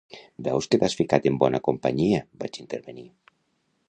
"Veus que t'has ficat en bona companyia", vaig intervenir.